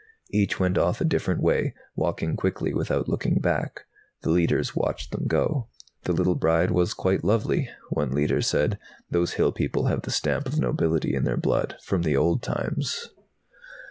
Each went off a different way, walking quickly without looking back. The Leiters watched them go. "The little bride was quite lovely," one Leiter said. "Those hill people have the stamp of nobility in their blood, from the old times."